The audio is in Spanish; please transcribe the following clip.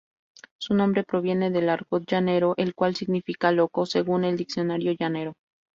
Su nombre proviene del argot llanero, el cual significa ‘loco’, según el diccionario llanero.